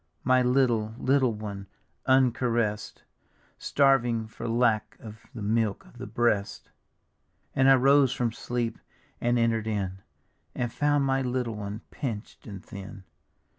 My little, little one, uncaress'd, Starving for lack of the milk of the breast; And I rose from sleep and enter'd in. And found my little one, pinch'd and thin.